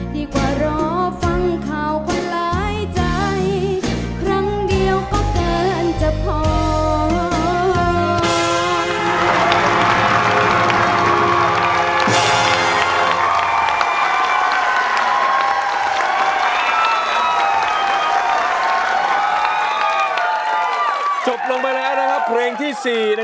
ดีกว่ารอฟังข่าวคนหลายใจ